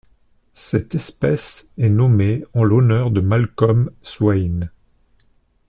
Cette espèce est nommée en l'honneur de Malcolm Swain.